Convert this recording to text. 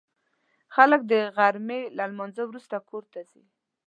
خلک د غرمې له لمانځه وروسته کور ته ځي